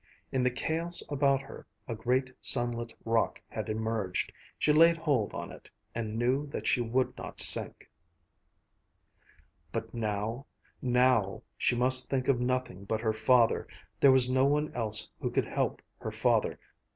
In the chaos about her, a great sunlit rock had emerged. She laid hold on it and knew that she would not sink. But now, now she must think of nothing but her father! There was no one else who could help her father.